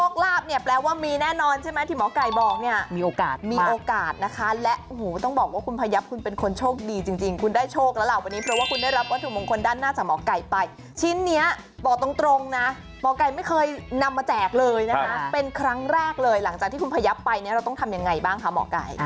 กลมจากวาแล้วก็จะทำมาแจกเลยนะคะเป็นครั้งแรกหลังจากที่คุณพยาบไปเราต้องทำยังไงบ้างคะหมอกไก่